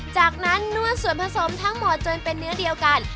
จากนั้นนวดส่วนผสมทั้งหมดจนเป็นเนื้อเดียวกัน